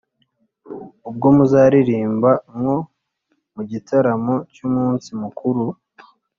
Ubwo muzaririmba nko mu gitaramo cy’umunsi mukuru,